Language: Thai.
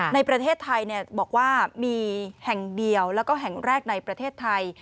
ในประเทศไทยบอกว่ามีแห่งเดียวแล้วก็แห่งแรกในประเทศไทย